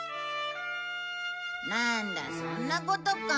なんだそんなことか。